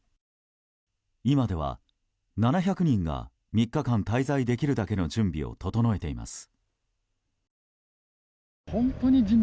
今では、７００人が３日間滞在できるだけの準備を整えています。